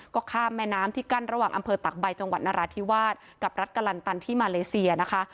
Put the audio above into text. ก็ข้ามแม่น้ำที่กั้นระหว่างอำเภอตักใบจังหวัดนราธิวาสกับรัฐกะลันตันที่มาเลเซียนะคะ